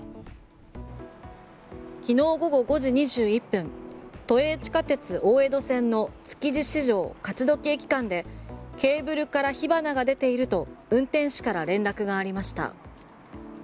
昨日午後５時２１分都営地下鉄大江戸線の築地市場勝どき駅間でケーブルから火花が出ていると運転手から連絡がありました。